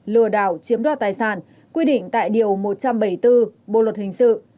lừa đảo chiếm đoạt tài sản quy định tại điều một trăm bảy mươi bốn bộ luật hình sự